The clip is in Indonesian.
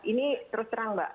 ini terus terang mbak